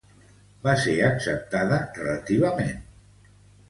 Va ser acceptada relativament.